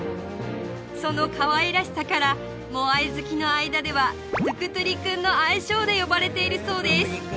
そのかわいらしさからモアイ好きの間ではの愛称で呼ばれているそうです